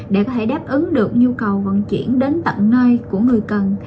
để có thể đáp ứng được nhu cầu vận chuyển đến tận nơi của người cần